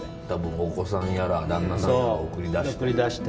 お子さんやら旦那さんやら送り出して。